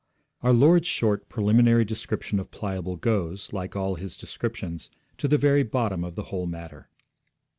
Our Lord's short preliminary description of Pliable goes, like all His descriptions, to the very bottom of the whole matter.